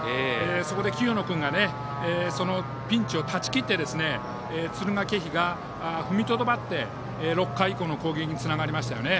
そこで清野君がそのピンチを断ち切って敦賀気比が踏みとどまって６回以降の攻撃につながりましたね。